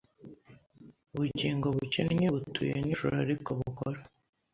Ubugingo bukennye butuye nijoro ariko bukora